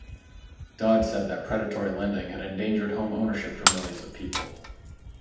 Dodd said that "predatory lending" had endangered home ownership for millions of people.